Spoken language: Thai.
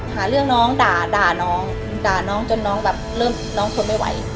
หาเรื่องน้องด่าด่าน้องด่าน้องจนน้องแบบเริ่มน้องทนไม่ไหว